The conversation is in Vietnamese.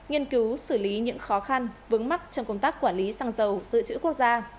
nghiên cứu xử lý những khó khăn vướng mắc trong công tác quản lý xăng dầu dự trữ quốc gia